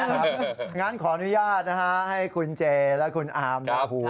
งั้นขออนุญาตนะฮะให้คุณเจและคุณอามราหู